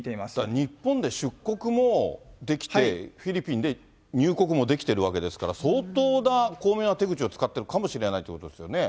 日本で出国もできて、フィリピンで入国もできているわけですから、相当な巧妙な手口を使ってるかもしれないということですよ